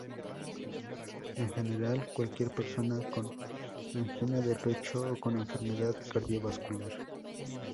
En general cualquier persona con angina de pecho o con enfermedad cardiovascular.